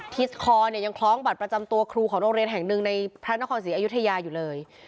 คอเนี่ยยังคล้องบัตรประจำตัวครูของโรงเรียนแห่งหนึ่งในพระนครศรีอยุธยาอยู่เลย